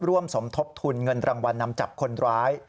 สมทบทุนเงินรางวัลนำจับคนร้าย